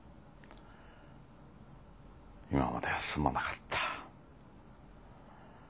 今まですまなかった。